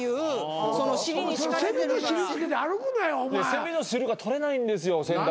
セミの汁が取れないんですよ。